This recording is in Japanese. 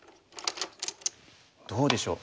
どうでしょう？